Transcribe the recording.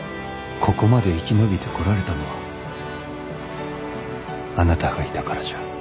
ここまで生き延びてこられたのはあなたがいたからじゃ。